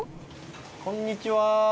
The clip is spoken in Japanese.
こんにちは。